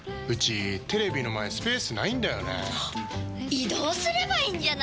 移動すればいいんじゃないですか？